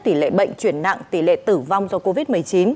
tỷ lệ bệnh chuyển nặng tỷ lệ tử vong do covid một mươi chín